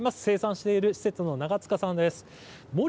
生産されている施設の長塚さんです。